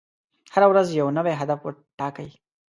هره ورځ یو نوی هدف ټاکئ.